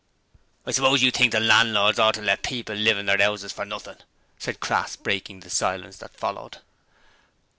'I suppose you think the landlords ought to let people live in their 'ouses for nothing?' said Crass, breaking the silence that followed.